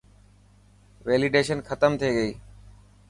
ويليڊيشن ختم ٿي گئي.